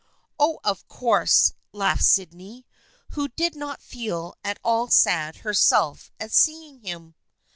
" Oh, of course !" laughed Sydney, who did not feel at all sad herself at seeing him.